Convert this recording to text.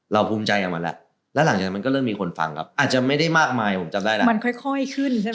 เราภูมิใจกับมันและและหลังจากนั้นมันก็เริ่มมีคนฟังครับอาจจะไม่ได้มากมายนะมันค่อยขึ้นใช่ไหม